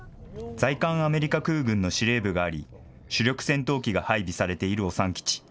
在韓アメリカ空軍の司令部があり、主力戦闘機が配備されているオサン基地。